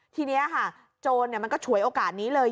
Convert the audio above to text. ทีนี้ค่ะโจรมันก็ฉวยโอกาสนี้เลย